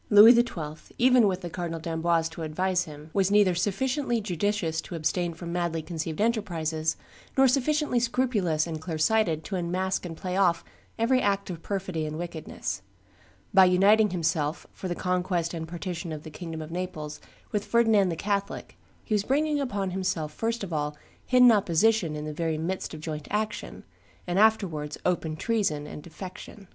Louis XII., even with the Cardinal d'Amboise to advise him, was neither sufficiently judicious to abstain from madly conceived enterprises, nor sufficiently scrupulous and clear sighted to unmask and play off every act of perfidy and wickedness: by uniting himself, for the conquest and partition of the kingdom of Naples, with Ferdinand the Catholic, he was bringing upon himself first of all hidden opposition in the very midst of joint action, and afterwards open treason and defection.